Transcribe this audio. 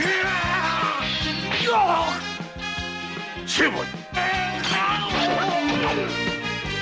成敗！